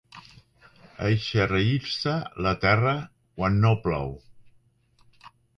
Eixarreir-se, la terra, quan no plou.